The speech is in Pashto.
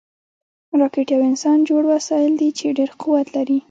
راکټ یو انسانجوړ وسایل دي چې ډېر قوت لري